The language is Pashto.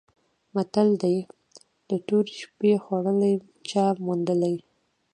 متل دی: د تورې شپې خوړلي چا موندلي؟